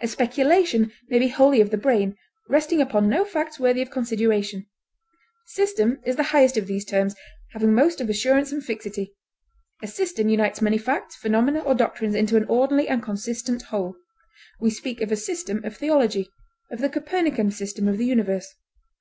A speculation may be wholly of the brain, resting upon no facts worthy of consideration; system is the highest of these terms, having most of assurance and fixity; a system unites many facts, phenomena, or doctrines into an orderly and consistent whole; we speak of a system of theology, of the Copernican system of the universe.